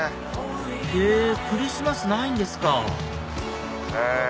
へぇクリスマスないんですかええ